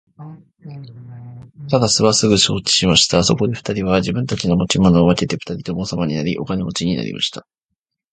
タラスはすぐ承知しました。そこで二人は自分たちの持ち物を分けて二人とも王様になり、お金持になりました。